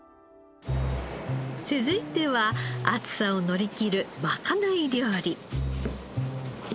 続いては暑さを乗りきるまかない料理。